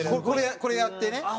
これこれやってね。